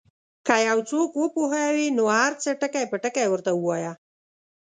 که یو څوک وپوهوې نو هر څه ټکي په ټکي ورته ووایه.